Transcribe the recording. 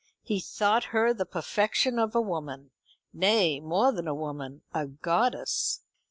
He thought her the perfection of a woman nay, more than a woman, a goddess.